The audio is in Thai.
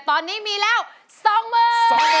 ตอนนี้มีแล้ว๒หมื่น